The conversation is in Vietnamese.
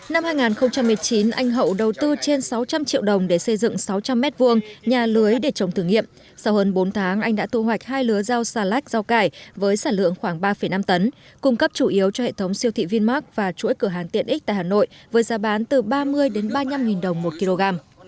năm hai nghìn một mươi chín anh hậu đầu tư trên sáu trăm linh triệu đồng để xây dựng sáu trăm linh m hai nhà lưới để trồng thử nghiệm sau hơn bốn tháng anh đã thu hoạch hai lứa rau xà lách rau cải với sản lượng khoảng ba năm tấn cung cấp chủ yếu cho hệ thống siêu thị vinmark và chuỗi cửa hàng tiện ích tại hà nội với giá bán từ ba mươi đến ba mươi năm nghìn đồng một kg